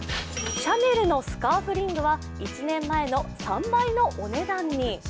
シャネルのスカーフリングは１年前の３倍のお値段に。